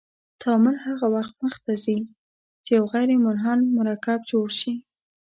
تعامل هغه وخت مخ ته ځي چې یو غیر منحل مرکب جوړ شي.